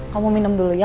kamu minum dulu ya